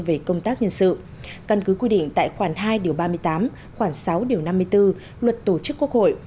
về công tác nhân sự căn cứ quy định tại khoảng hai ba mươi tám khoảng sáu năm mươi bốn luật tổ chức quốc hội